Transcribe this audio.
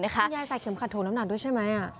คุณยายใส่เข็มขัดถ่น้ำหนักด้วยใช่ไหม